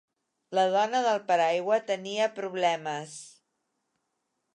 La dona del paraigua tenia problemes.